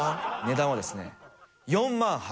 値段はですね。